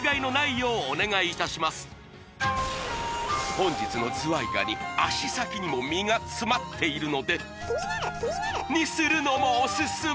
本日のズワイガニ脚先にも身が詰まっているので○○○にするのもおすすめ！